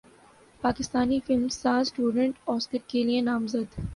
پاکستانی فلم ساز student Oscar کے لیے نامزد